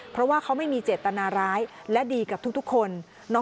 เพราะว่าเขาไม่มีเจตนาร้ายและดีกับทุกคน